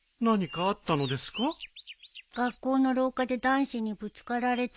学校の廊下で男子にぶつかられたし。